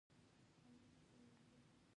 په بدمرغي ژوند وکړو.